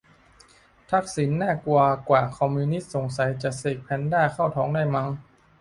'ทักษิณ น่ากลัวกว่า คอมมิวนิสต์' สงสัยจะเสกแพนด้าเข้าท้องได้มั้ง